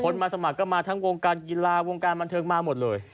มาสมัครก็มาทั้งวงการกีฬาวงการบันเทิงมาหมดเลย